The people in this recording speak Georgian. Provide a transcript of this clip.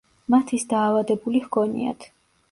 მათ ის დაავადებული ჰგონიათ.